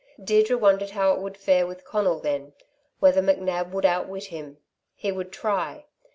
Deirdre wondered how it would fare with Conal then, whether McNab would outwit him. He would try.